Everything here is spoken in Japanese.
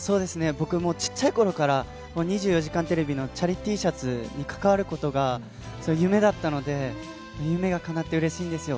僕もちっちゃいころから、もう２４時間テレビのチャリＴシャツに関わることが、夢だったので、夢がかなってうれしいですよ。